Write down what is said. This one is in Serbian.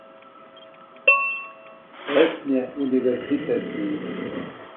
Летње универзитетске игре.